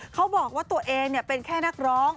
เขาบอกว่าตัวเองเป็นแค่นักร้อง